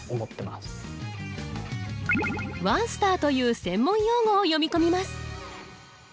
ワンスターという専門用語を詠み込みます